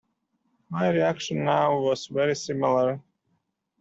My reaction now was very similar.